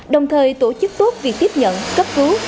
đồng thời tổ chức tốt việc tiếp nhận cấp cứu